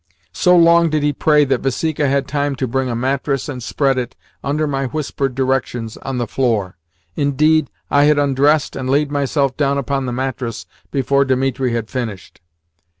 So long did he pray that Vasika had time to bring a mattress and spread it, under my whispered directions, on the floor. Indeed, I had undressed and laid myself down upon the mattress before Dimitri had finished.